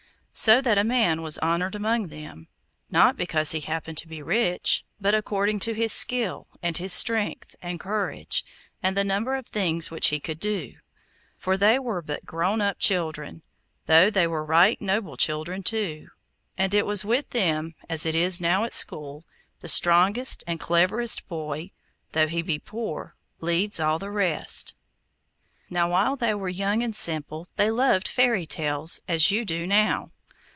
So that a man was honoured among them, not because he happened to be rich, but according to his skill, and his strength, and courage, and the number of things which he could do. For they were but grown up children, though they were right noble children too; and it was with them as it is now at school—the strongest and cleverest boy, though he be poor, leads all the rest. Now, while they were young and simple they loved fairy tales, as you do now.